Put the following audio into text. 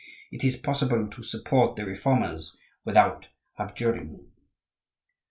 It is possible to support the Reformers without abjuring."